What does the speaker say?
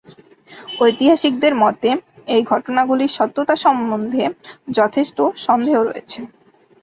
ঐতিহাসিকদের মতে, এই ঘটনাগুলির সত্যতা সম্বন্ধে যথেষ্ট সন্দেহ রয়েছে।